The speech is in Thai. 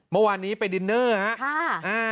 เมื่อวานนี้ไปดินเนอร์ครับ